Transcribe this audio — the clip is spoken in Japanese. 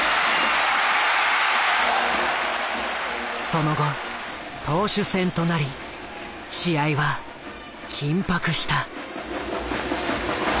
その後投手戦となり試合は緊迫した。